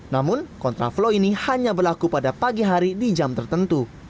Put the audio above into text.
namun kontraflow ini hanya berlaku pada pagi hari di jam tertentu